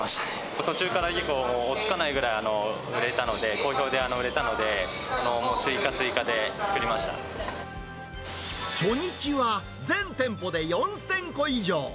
途中から結構追いつかないくらい売れたので、好評で売れたので、初日は全店舗で４０００個以上。